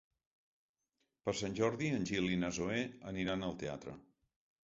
Per Sant Jordi en Gil i na Zoè aniran al teatre.